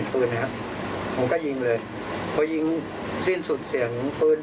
ผมก็ยิงเลยพอยิงสิ้นสุดเสียงปืน